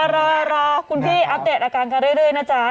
รอก้อนคุณพี่อัพเดทอาการกันเร็วน่ะจ้ะ